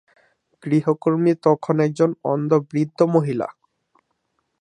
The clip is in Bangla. গৃহকর্মী তখন একজন অন্ধ বৃদ্ধ মহিলা।